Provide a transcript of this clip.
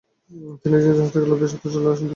তিনি একদিন জাহাজ থেকে লাফ দিয়ে সাঁতরে চলে আসেন তীরে।